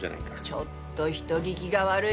ちょっと人聞きが悪い！